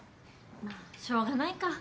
まあしょうがないか。